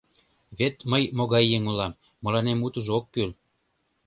Вет мый могай еҥ улам: мыланем утыжо ок кӱл.